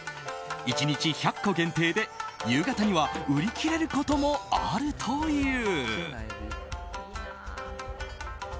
１日１００個限定で夕方には売り切れることもあるという。